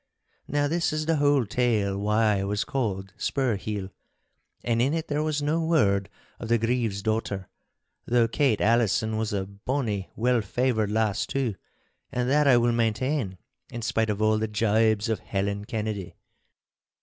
Now this is the whole tale why I was called 'Spurheel,' and in it there was no word of the Grieve's daughter—though Kate Allison was a bonny, well favoured lass too, and that I will maintain in spite of all the gibes of Helen Kennedy.